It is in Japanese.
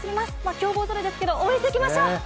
強豪ぞろいですけど応援していきましょう！